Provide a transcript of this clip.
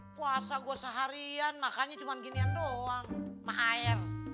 kuasa gua seharian makannya cuma ginian doang maen